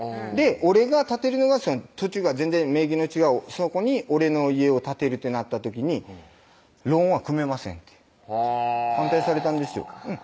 俺が建てるのが土地が全然名義の違うそこに俺の家を建てるってなった時に「ローンは組めません」って反対されたんですよ